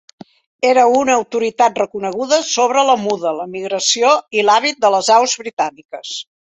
Era una autoritat reconeguda sobre la muda, la migració i l'hàbit de les aus britàniques.